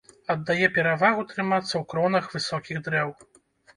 Аддае перавагу трымацца ў кронах высокіх дрэў.